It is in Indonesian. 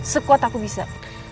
sekuat aku bisa